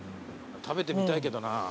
食べてみたいけどな。